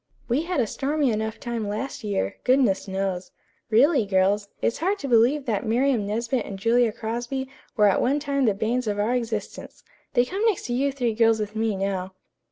"We had a stormy enough time last year, goodness knows. Really, girls, it is hard to believe that Miriam Nesbit and Julia Crosby were at one time the banes of our existence. They come next to you three girls with me, now."